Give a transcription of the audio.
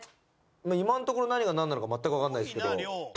まあ今のところ何がなんなのか全くわからないですけど。